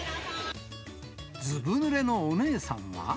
ずぶぬれのお姉さんは。